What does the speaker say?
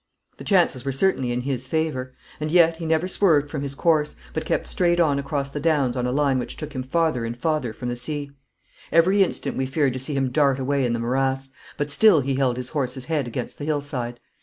The chances were certainly in his favour. And yet he never swerved from his course, but kept straight on across the downs on a line which took him farther and farther from the sea. Every instant we feared to see him dart away in the morass, but still he held his horse's head against the hill side.